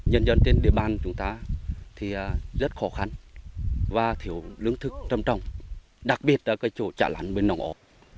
nhân dân trên địa bàn chúng ta thì rất khó khăn và thiếu lương thực trầm trọng đặc biệt ở cái chỗ trả lãnh bên nọng ó